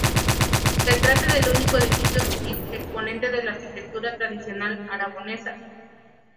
Se trata del único edificio civil exponente de la arquitectura tradicional aragonesa.